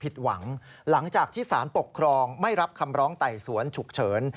หวังหลังจากที่สารปกครองไม่รับคำร้องไต่สวนฉุกเฉิน